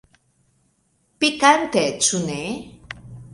Pikante, ĉu ne?